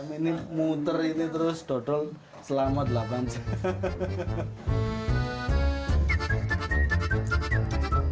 ini muter ini terus dodol selama delapan jam